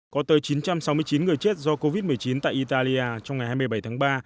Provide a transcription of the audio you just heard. có tới chín trăm sáu mươi chín người chết do covid một mươi chín tại italia trong ngày hai mươi bảy tháng ba